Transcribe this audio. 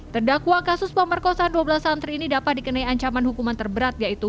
terdakwa kasus pemerkosaan dua belas santri ini dapat dikenai ancaman hukuman terberat yaitu